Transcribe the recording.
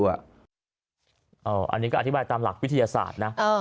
อันนี้ก็อธิบายตามหลักวิทยาศาสตร์นะ